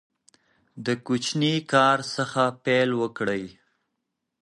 د کوچني کار څخه پیل وکړئ.